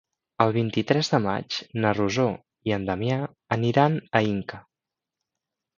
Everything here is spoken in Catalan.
El vint-i-tres de maig na Rosó i en Damià aniran a Inca.